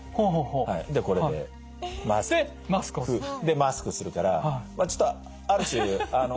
でこれでマスクするからまあちょっとある種あの。